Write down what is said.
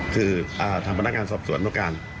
คือแธมพ์พนักงานสอบส่วนแล้วการ